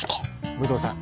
武藤さん